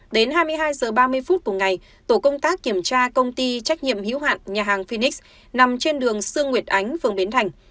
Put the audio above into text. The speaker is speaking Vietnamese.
đến hai mươi hai h ba mươi phút cùng ngày tổ công tác kiểm tra công ty trách nhiệm hữu hạn nhà hàng finics nằm trên đường sương nguyệt ánh phường bến thành